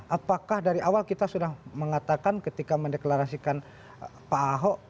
apakah dari awal kita sudah mengatakan ketika mendeklarasikan pak ahok